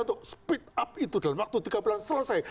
untuk speed up itu dalam waktu tiga bulan selesai